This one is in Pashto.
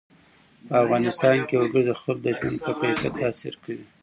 په افغانستان کې وګړي د خلکو د ژوند په کیفیت تاثیر کوي.